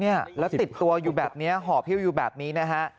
แล้วติดตัวอยู่แบบนี้ห่อหิ้วอยู่แบบนี้นะฮะ